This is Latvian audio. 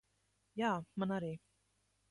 Jā, man arī.